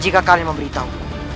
jika kalian memberitahu